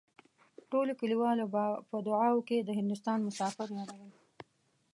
ټولو کليوالو به په دعاوو کې د هندوستان مسافر يادول.